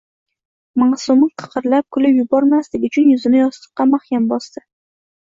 Maʼsuma qiqirlab kulib yubormaslik uchun yuzini yostiqqa mahkam bosdi.